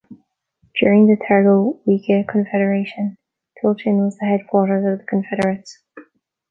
During the Targowica confederation Tulchin was the headquarters of the confederates.